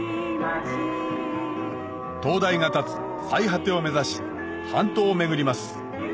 灯台が立つ最果てを目指し半島を巡ります